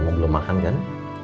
kamu belum makan kan